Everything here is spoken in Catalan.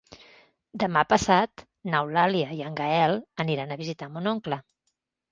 Demà passat n'Eulàlia i en Gaël aniran a visitar mon oncle.